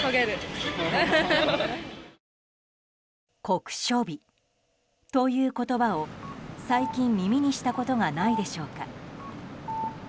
酷暑日という言葉を最近耳にしたことがないでしょうか。